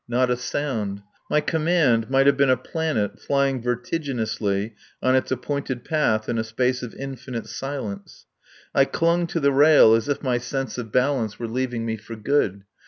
Not a sound. My command might have been a planet flying vertiginously on its appointed path in a space of infinite silence. I clung to the rail as if my sense of balance were leaving me for good.